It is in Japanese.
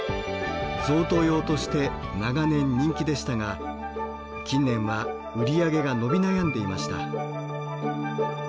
贈答用として長年人気でしたが近年は売り上げが伸び悩んでいました。